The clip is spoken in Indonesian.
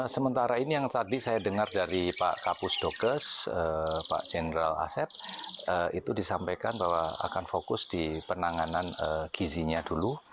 sementara ini yang tadi saya dengar dari pak kapus dokes pak jenderal asep itu disampaikan bahwa akan fokus di penanganan gizinya dulu